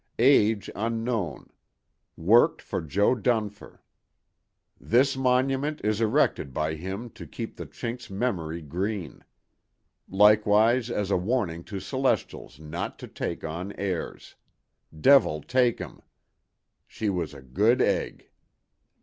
Age unknown. Worked for Jo. Dunfer. This monument is erected by him to keep the Chink's memory green. Likewise as a warning to Celestials not to take on airs. Devil take 'em! She Was a Good Egg.